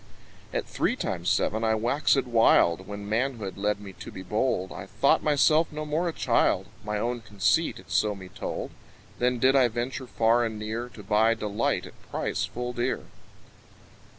At three times seven I waxèd wild, When manhood led me to be bold; I thought myself no more a child, My own conceit it so me told: Then did I venture far and near, To buy delight at price full dear.